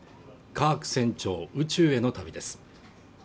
カーク船長宇宙への旅です